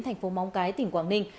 thành phố móng cái tỉnh quảng ninh